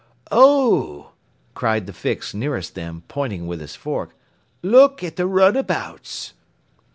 "Oh!" cried the Fix nearest them, pointing with his fork, "Look at the runabouts!"